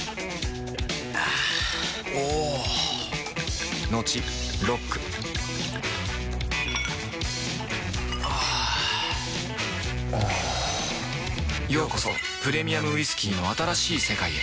あぁおぉトクトクあぁおぉようこそプレミアムウイスキーの新しい世界へ